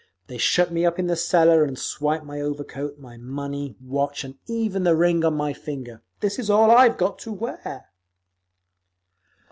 They shut me up in the cellar and swiped my overcoat, my money, watch and even the ring on my finger. This is all I've got to wear!"